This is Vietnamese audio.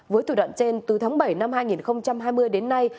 với thủ đoạn trên từ tháng bảy năm hai nghìn hai mươi đến nay